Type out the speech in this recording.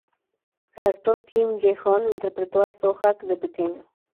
El actor Kim Ye-joon interpretó a Soo-hak de pequeño.